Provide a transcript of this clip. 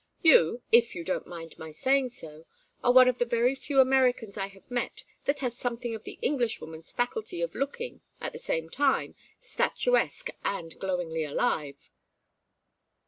You, if you don't mind my saying so, are one of the very few Americans I have met that has something of the Englishwoman's faculty of looking, at the same time, statuesque and glowingly alive."